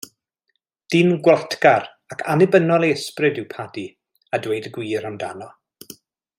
Dyn gwlatgar ac annibynnol ei ysbryd yw Paddy, a dweud y gwir amdano.